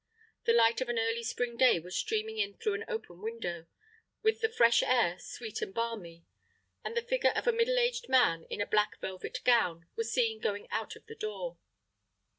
The light of an early spring day was streaming in through an open window, with the fresh air, sweet and balmy; and the figure of a middle aged man, in a black velvet gown, was seen going out of the door.